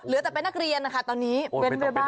เหลือแต่เป็นนักเรียนนะคะตอนนี้เว้นไปบ้าน